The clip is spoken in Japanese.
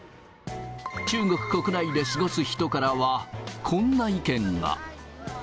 中国国内で過ごす人からは、こんな意見が。